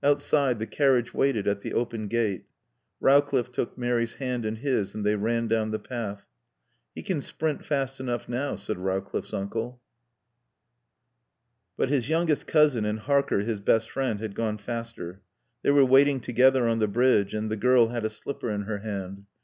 Outside the carriage waited at the open gate. Rowcliffe took Mary's hand in his and they ran down the path. "He can sprint fast enough now," said Rowcliffe's uncle. But his youngest cousin and Harker, his best friend, had gone faster. They were waiting together on the bridge, and the girl had a slipper in her hand.